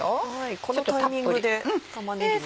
このタイミングで玉ねぎなんですか？